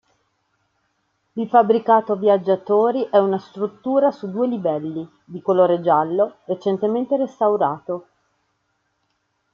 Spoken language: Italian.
Il fabbricato viaggiatori è una struttura su due livelli, di colore giallo, recentemente restaurato.